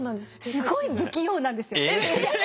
すごい不器用なんですよ。